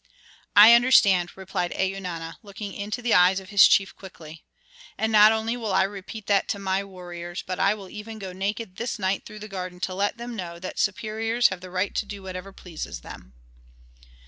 "I understand," replied Eunana, looking into the eyes of his chief quickly. "And not only will I repeat that to my warriors, but I will even go naked this night through the garden to let them know that superiors have the right to do whatever pleases them."